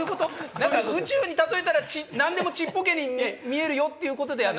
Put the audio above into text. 何か宇宙に例えたら何でもちっぽけに見えるよっていうことではなく？